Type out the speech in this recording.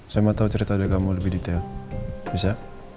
saya mau tahu cerita dari kamu lebih detail bisa